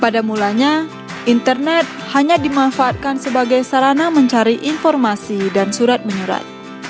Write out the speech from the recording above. pada mulanya internet hanya dimanfaatkan sebagai sarana mencari informasi dan surat menyurat